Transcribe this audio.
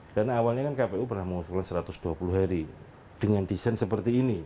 karena awalnya kan kpu pernah mengusulkan satu ratus dua puluh hari